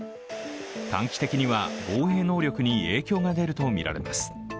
短期的には防衛能力に影響が出るとみられます。